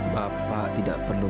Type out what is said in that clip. bapak tidak perlu